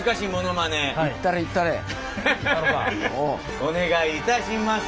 お願いいたします。